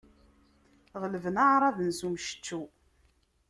Ɣelben aɛraben s umceččew.